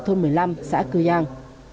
thôn một mươi năm xã cư giang